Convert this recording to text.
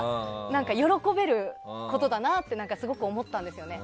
喜べることだなってすごく思ったんですよね。